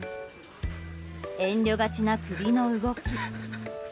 遠慮がちな首の動き。